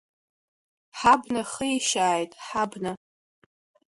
Ҳабна хишьааит, ҳабна…